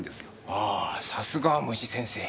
あーさすがは虫先生。